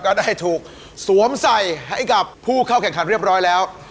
ก็ได้ถูกสวมใส่ให้กับผู้เข้าแข่งขันเรียบร้อยแล้ว